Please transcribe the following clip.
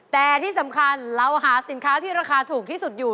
แต่ที่สำคัญเราหาสินค้าที่ราคาถูกที่สุดอยู่